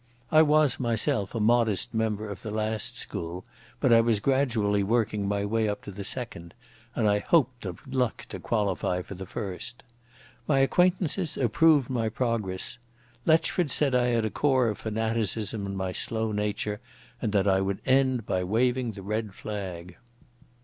I was myself a modest member of the last school, but I was gradually working my way up to the second, and I hoped with luck to qualify for the first. My acquaintances approved my progress. Letchford said I had a core of fanaticism in my slow nature, and that I would end by waving the red flag.